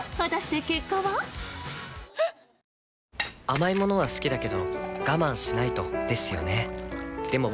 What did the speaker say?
甘い物は好きだけど我慢しないとですよね